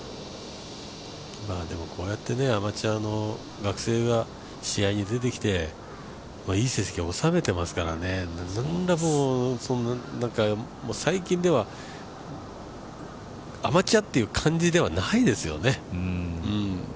こうやってアマチュアの学生が試合に出てきていい成績を収めていますから、最近ではアマチュアという感じではないですよね。